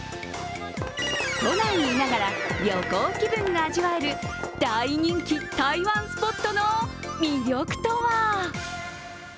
都内にいながら旅行気分が味わえる大人気、台湾スポットの魅力とは？